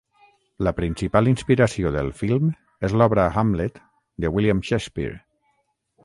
La principal inspiració del film és l'obra Hamlet de William Shakespeare.